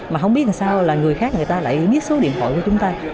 mà không biết làm sao là người khác người ta lại biết số điện hội của chúng ta